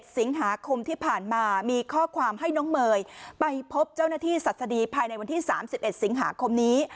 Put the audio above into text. สิงหาคมที่ผ่านมามีข้อความให้น้องเมย์ไปพบเจ้าหน้าที่ศัษฎีภายในวันที่๓๑สิงหาคมนี้